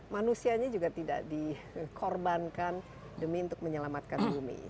manusianya juga tidak dikorbankan demi untuk menyelamatkan bumi